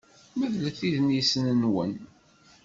Medlet idlisen-nwen.